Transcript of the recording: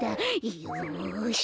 よし。